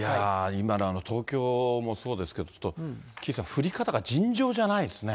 今、東京もそうですけど、岸さん、降り方が尋常じゃないですね。